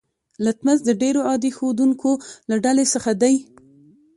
لتمس د ډیرو عادي ښودونکو له ډلې څخه دی.